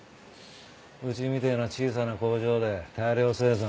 うちみたいな小さな工場で大量生産なんて。